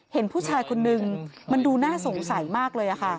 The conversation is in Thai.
เห็นผู้ชายคนนึงมันดูน่าสงสัยมากเลย